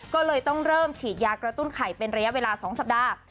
ก็เลยต้องเริ่มฉีดยากระตุ้นไข่เป็นระยะเวลา๒สัปดาห์